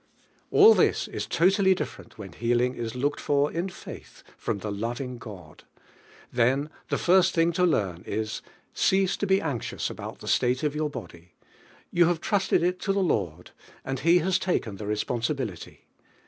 All this is totally different when heal ing is looked for in faith from the loving God. Then [lie first thing to loam is: Cease to he anxious about the slate of your hody, you have t reated it t" the Lord and tic has t aken the responsibility.